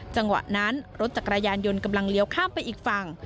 จังหวะนั้นรถจักรยานยนต์กำลังเลี้ยวข้ามไปอีกฝั่ง